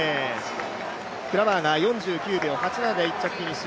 クラバーが４９秒８７で１着フィニッシュ。